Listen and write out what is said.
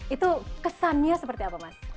itu kesannya seperti apa mas